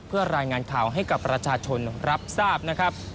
เพื่อรายงานข่าวให้กับประชาชนรับทราบนะครับ